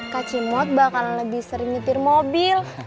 kak cimot bakalan lebih sering nyetir mobil